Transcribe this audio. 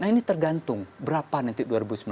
nah ini tergantung berapa nanti dua ribu sembilan belas